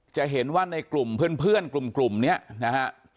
จะเห็นว่าในกลุ่มเพื่อนกลุ่มนี้นะฮะ